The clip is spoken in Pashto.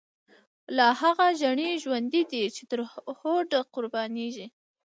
لاهغه ژڼی ژوندی دی، چی ترهوډه قربانیږی